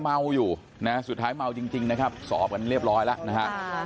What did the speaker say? เมาอยู่นะฮะสุดท้ายเมาจริงนะครับสอบกันเรียบร้อยแล้วนะฮะ